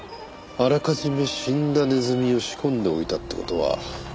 あらかじめ死んだネズミを仕込んでおいたって事は。